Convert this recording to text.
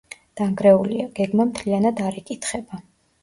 დანგრეულია, გეგმა მთლიანად არ იკითხება.